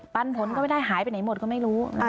ปั้นพ้นก็ไม่ได้หายไปไหนหมดก็ไม่รู้นะคะ